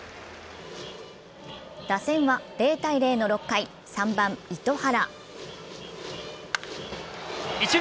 打線は０−０の６回、３番・糸原。